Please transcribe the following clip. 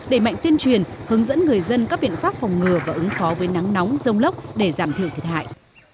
đẩy mạnh tuyên truyền hướng dẫn người dân các biện pháp phòng ngừa và ứng phó với nắng nóng rông lốc để giảm thiểu thiệt hại